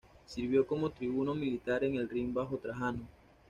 Sirvió como tribuno militar en el Rin bajo Trajano.